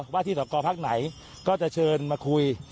ว่าที่สกพักไหนก็จะเชิญมาคุย